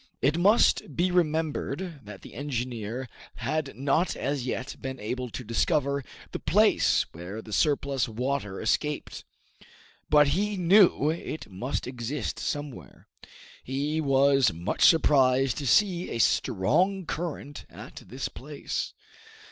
It will be remembered that the engineer had not as yet been able to discover the place where the surplus water escaped, but he knew it must exist somewhere. He was much surprised to see a strong current at this place.